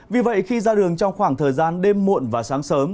vì vậy khi ra đường trong khoảng thời gian đêm muộn và sáng sớm